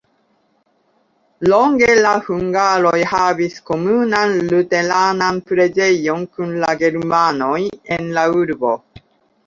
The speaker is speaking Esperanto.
Longe la hungaroj havis komunan luteranan preĝejon kun la germanoj en la urbo.